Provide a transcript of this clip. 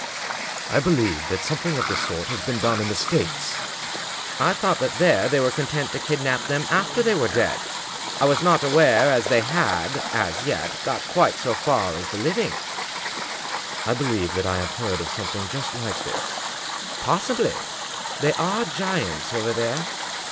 " I believe that something of this sort has been done in the States." " I thought that there they were content to kidnap them after they were dead. I was not aware that they had, as yet, got quite so far as the living." " I believe that I have heard of something just like this." " Possibly ; they are giants over there."